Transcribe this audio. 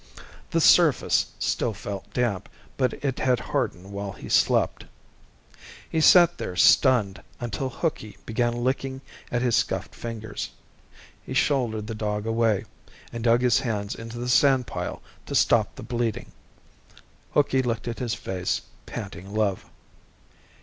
The surface still felt damp, but it had hardened while he slept. He sat there stunned until Hooky began licking at his scuffed fingers. He shouldered the dog away, and dug his hands into the sand pile to stop the bleeding. Hooky licked at his face, panting love.